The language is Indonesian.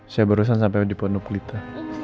saya barusan sampai dipenuh kulitnya